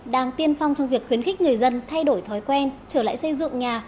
đang tiên phong trong việc khuyến khích người dân thay đổi thói quen trở lại xây dựng nhà